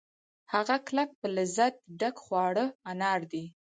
هغه کلک په لذت ډک خواږه انار دي